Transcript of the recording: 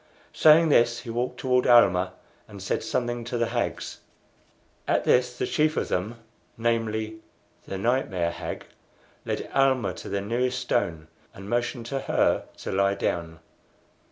Saying this he walked toward Almah, and said something to the hags. At this the chief of them namely, the nightmare hag led Almah to the nearest stone, and motioned to her to lie down.